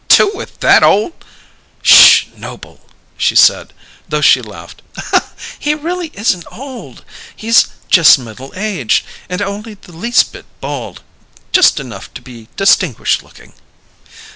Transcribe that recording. "Two with that old " "Sh, Noble," she said, though she laughed. "He isn't really old; he's just middle aged, and only the least bit bald, just enough to be distinguished looking."